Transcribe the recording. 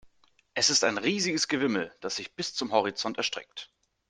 Es ist ein riesiges Gewimmel, das sich bis zum Horizont erstreckt.